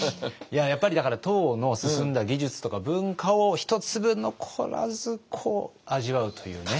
やっぱりだから唐の進んだ技術とか文化を一粒残らずこう味わうというね。